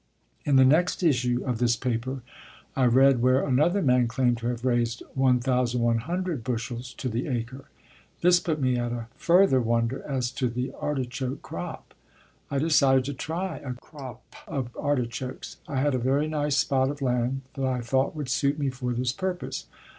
In the next issue of this paper I read where another man claimed to have raised 1,100 bushels to the acre. This put me at a further wonder as to the artichoke crop. I decided to try a crop of artichokes. I had a very nice spot of land that I thought would suit me for this purpose.